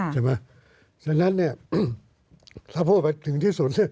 ดังนั้นนั้นถ้าพูดไปถึงที่สุด